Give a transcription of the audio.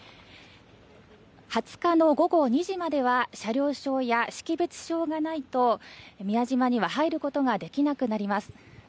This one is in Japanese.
２０日の午後２時までは車両証や識別証がないと宮島には入ることができなくなります。